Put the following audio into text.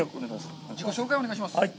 自己紹介をお願いします。